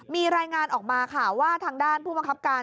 มีรายงานออกมาค่ะว่าทางด้านผู้บังคับการ